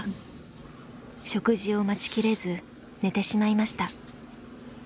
食事を待ち切れず寝てしまいました。